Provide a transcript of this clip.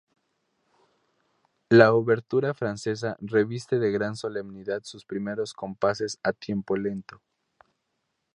La obertura francesa reviste de gran solemnidad sus primeros compases a tiempo lento.